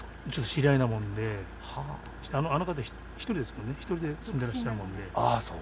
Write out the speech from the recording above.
知り合いなもんで、あの方１人で住んでらっしゃるもんで。